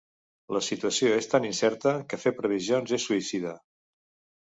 La situació és tan incerta que fer previsions és suïcida.